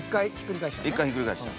１回ひっくり返した。